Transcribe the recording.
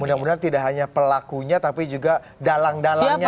mudah mudahan tidak hanya pelakunya tapi juga dalang dalangnya